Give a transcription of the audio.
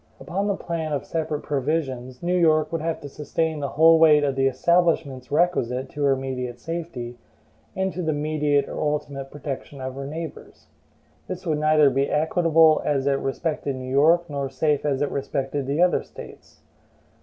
Upon the plan of separate provisions, New York would have to sustain the whole weight of the establishments requisite to her immediate safety, and to the mediate or ultimate protection of her neighbors. This would neither be equitable as it respected New York nor safe as it respected the other States.